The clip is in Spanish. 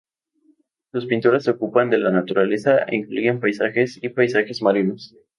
Sus pinturas se ocupan de la naturaleza e incluyen paisajes y paisajes marinos.